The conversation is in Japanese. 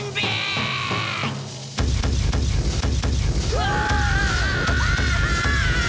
うわ！